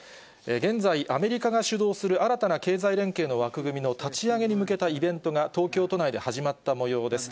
現在、アメリカが主導する新たな経済連携の枠組みの立ち上げに向けたイベントが東京都内で始まったもようです。